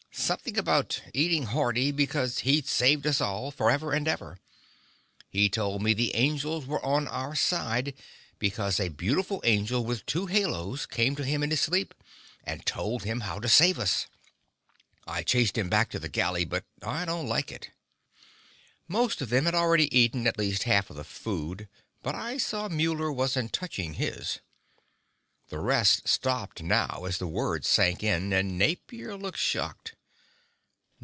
Something about eating hearty, because he'd saved us all, forever and ever. He told me the angels were on our side, because a beautiful angel with two halos came to him in his sleep and told him how to save us. I chased him back to the galley, but I don't like it." Most of them had already eaten at least half of the food, but I saw Muller wasn't touching his. The rest stopped now, as the words sank in, and Napier looked shocked.